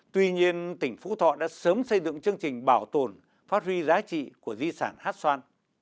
tuy nhiên tỉnh phú thọ đã sớm xây dựng chương trình bảo tồn phát huy giá trị của di sản hát xoan